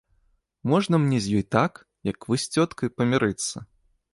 Можна мне з ёй так, як вы з цёткай, памірыцца?